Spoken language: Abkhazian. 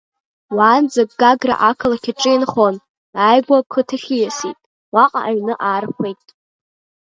Уаанӡа Гагра ақалақь аҿы инхон, ааигәа ақыҭахь ииасит, уаҟа аҩны аархәеит.